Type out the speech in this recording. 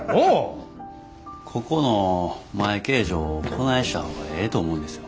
ここの前形状をこないした方がええと思うんです。